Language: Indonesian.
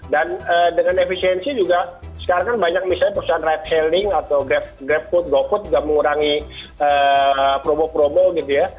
dan dengan efisiensi juga sekarang kan banyak misalnya perusahaan ride hailing atau grabfood gofood juga mengurangi promo promo gitu ya